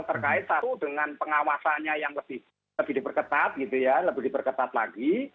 terkait satu dengan pengawasannya yang lebih diperketat gitu ya lebih diperketat lagi